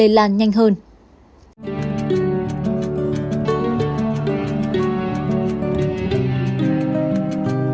hãy đăng ký kênh để nhận thông tin nhất